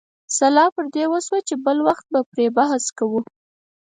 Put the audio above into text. سلا پر دې وشوه چې بل وخت به پرې بحث وکړو.